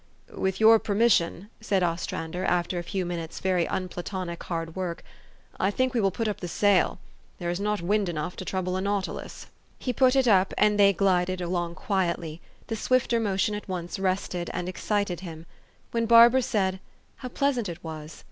" With your permission," said Ostrander after a few minutes' very unplatonic hard work, " I think we will put up the sail. There is not wind enough to trouble a nautilus." 348 THE STORY OF AVIS. He put it up, and they glided along quietly ; the swifter motion at once rested and excited him. When Barbara said, How pleasant it was